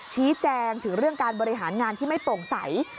ชี้แจงถึงเรื่องการบริหารงานที่ไม่โปร่งใส